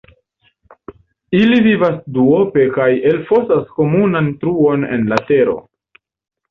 Ili vivas duope kaj elfosas komunan truon en la tero.